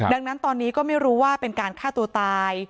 ดังนั้นตอนนี้ก็ไม่รู้ว่าเป็นการฆ่าตัวตาย